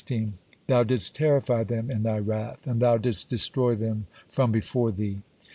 Thou didst terrify them in Thy wrath, and thou didst destroy them from before Thee.